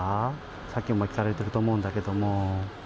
さっきも聞かれてると思うんだけど。